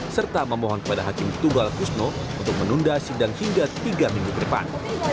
serta memohon kepada hakim tunggal kusno untuk menunda sidang hingga tiga minggu ke depan